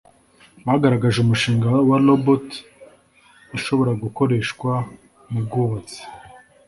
bagaragaje umushinga wa robot ishobora gukoreshwa mu bwubatsi